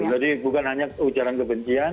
betul jadi bukan hanya ujuan kebencian